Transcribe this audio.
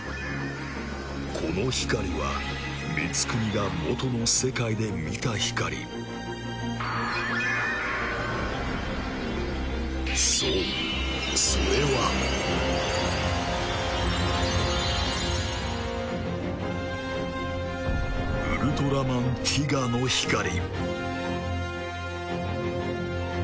この光はミツクニが元の世界で見た光そうそれはウルトラマンティガの光キリ！